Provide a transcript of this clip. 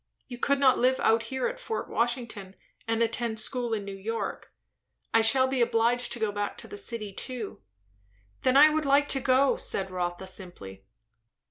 You could not live out here at Fort Washington, and attend school in New York. I shall be obliged to go back to the city, too." "Then I would like to go," said Rotha simply.